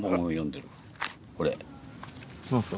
何すか？